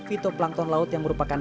fitoplankton laut yang merupakan